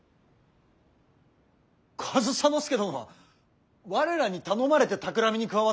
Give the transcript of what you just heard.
上総介殿は我らに頼まれてたくらみに加わったのです。